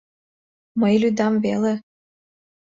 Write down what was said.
Мый лӱдам веле.